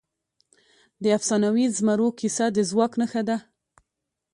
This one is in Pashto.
د افسانوي زمرو کیسه د ځواک نښه ده.